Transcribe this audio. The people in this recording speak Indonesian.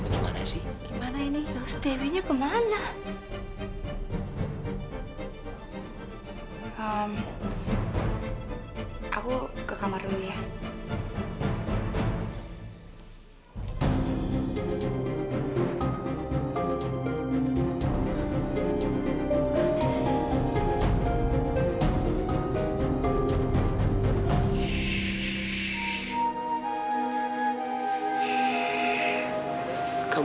sampai jumpa di video selanjutnya